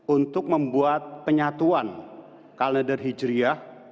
untuk membuat penyatuan kalender hijriah